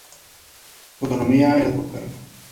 Su autonomía era de por carga.